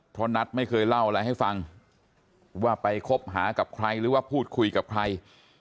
เพราะนัทไม่เคยเล่าอะไรให้ฟังว่าไปคบหากับใครหรือว่าพูดคุยกับใคร